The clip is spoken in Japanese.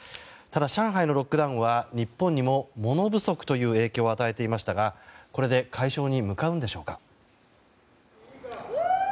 ただ、上海のロックダウンは日本にも物不足という影響を与えていましたが、これで解消に向かうんでしょうか。